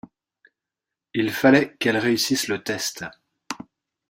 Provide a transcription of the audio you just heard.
Il fallait qu’elle réussisse le test.